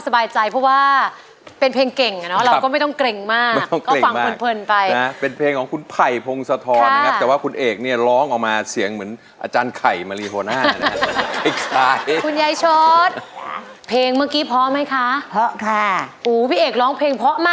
พี่เหกร้องด่าให้ด่าให้ด่าเซอร์นิกวิทยาลัย